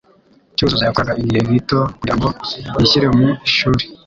Cyuzuzo yakoraga igihe gito kugirango yishyire mu ishuri.